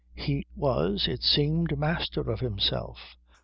He was, it seemed, master of himself.